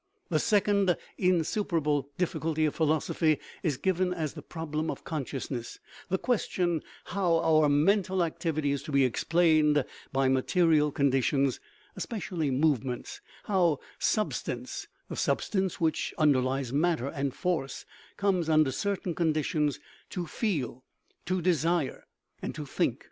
The second insuperable difficulty of philosophy is given as the problem of consciousness the question how our mental activity is to be explained by material conditions, especially movements, how " substance [the substance which underlies matter and force] comes, under certain conditions, to feel, to desire, and to think."